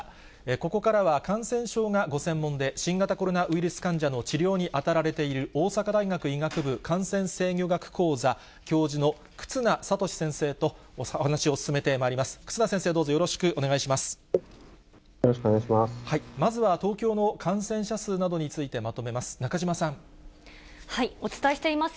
ここからは感染症がご専門で、新型コロナウイルス患者の治療に当たられている大阪大学医学部感染制御学講座教授の忽那賢志先生とお話しを進めてまいります。